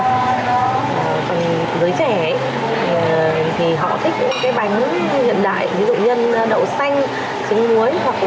còn với trẻ thì họ thích những cái bánh hiện đại ví dụ nhân đậu xanh trứng muối hoặc là nhân kem sát